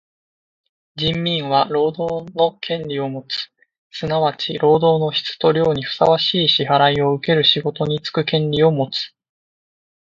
人民は労働の権利をもつ。すなわち労働の質と量にふさわしい支払をうける仕事につく権利をもつ。